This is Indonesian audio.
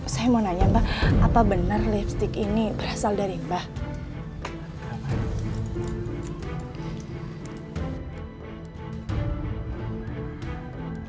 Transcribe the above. saya mau nanya mbak apa benar lipstick ini berasal dari mbah